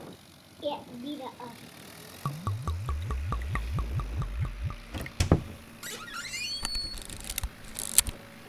Ek bira asaw